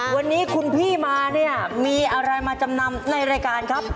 วันนี้คุณพี่มาเนี่ยมีอะไรมาจำนำในรายการครับ